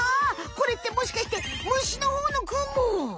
これってもしかして虫のほうのクモ？